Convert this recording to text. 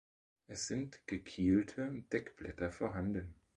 Es sind gekielte Deckblätter vorhanden.